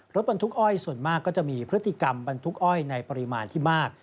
รถบรรทุกอ้อยส่วนมากก็จะมีพฤติกรรมบรรทุกอ้อยในปริมาณที่มาก